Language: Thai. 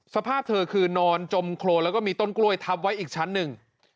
สภาพเธอคือนอนจมโครนแล้วก็มีต้นกล้วยทับไว้อีกชั้นหนึ่ง